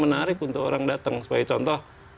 menarik untuk orang datang sebagai contoh